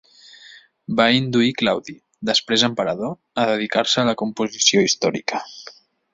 Va induir Claudi, després emperador, a dedicar-se a la composició històrica.